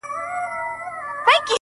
له کوم ځای له کوم کتابه یې راوړی!